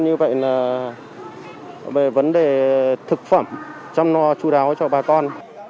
như vậy là về vấn đề thực phẩm chăm no chú đáo cho bà con